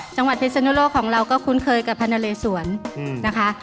จังหวัดเทศนุโลกของเราก็คุ้นเคยกับพระนาเลสวนนะคะ